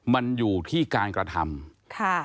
มันอยู่ที่การกระทำค่ะ